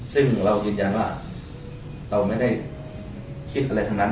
ซึ่งเรายืนยันว่าเราไม่ได้คิดอะไรทั้งนั้น